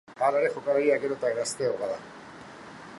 Hala ere, jokalaria gero eta gazteagoa da.